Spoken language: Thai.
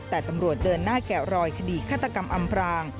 แต่ตำรวจเดินหน้าแกะรอยคดีฆาตกรรมอำพราง